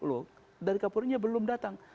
loh dari kapolri nya belum datang